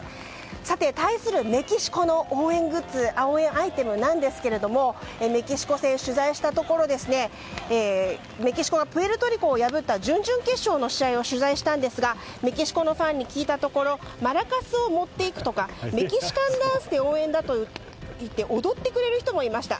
さて、対するメキシコの応援アイテムなんですがメキシコ戦、取材したところメキシコがプエルトリコを破った準々決勝の試合を取材したんですがメキシコのファンに聞いたところマラカスを持っていくとかメキシカンダンスで応援だといって踊ってくれる人もいました。